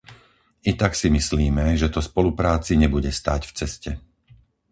I tak si myslíme, že to spolupráci nebude stáť v ceste.